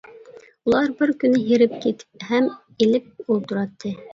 ئۇلار بىر كۈنى ھېرىپ كېتىپ ھەم ئېلىپ ئولتۇراتتى.